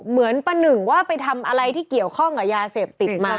เหมือนประหนึ่งว่าไปทำอะไรที่เกี่ยวข้องกับยาเสพติดมา